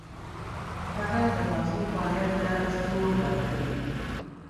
خوړل د مغزو فعالیت ته زور ورکوي